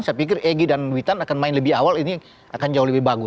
saya pikir egy dan witan akan main lebih awal